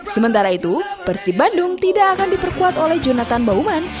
sementara itu persib bandung tidak akan diperkuat oleh jonathan bauman